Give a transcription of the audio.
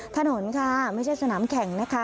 ถนนค่ะไม่ใช่สนามแข่งนะคะ